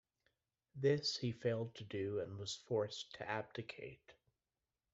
This he failed to do and was forced to abdicate.